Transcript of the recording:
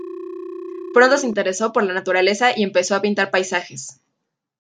Pronto se interesó por la naturaleza y empezó a pintar paisajes.